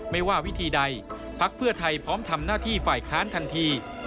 ไม่ว่าวิธีใดพักเพื่อไทยพร้อมทำหน้าที่ฝ่ายค้านทันที